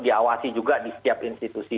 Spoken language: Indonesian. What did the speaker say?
diawasi juga di setiap institusi